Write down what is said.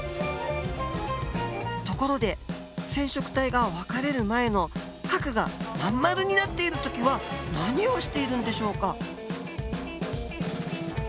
ところで染色体が分かれる前の核がまん丸になっている時は何をしているんでしょうか。